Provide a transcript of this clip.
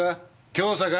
教唆か？